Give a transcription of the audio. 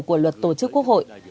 của luật tổ chức quốc hội